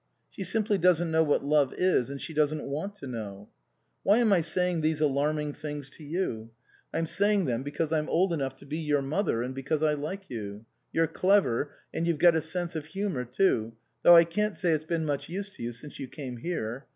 She simply doesn't know what love is, and she doesn't want to know. Why am I saying these alarming things to you? I'm saying them be 87 THE COSMOPOLITAN cause I'm old enough to be your mother, and because I like you. You're clever, and you've got a sense of humour, too, though I can't say it's been much use to you since you came here.